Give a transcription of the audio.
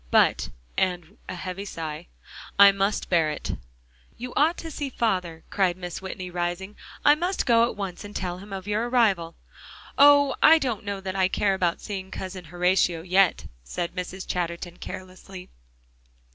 But," and a heavy sigh, "I must bear it." "You ought to see father," cried Mrs. Whitney, rising. "I must go at once and tell him of your arrival." "Oh! I don't know that I care about seeing Cousin Horatio yet," said Mrs. Chatterton carelessly.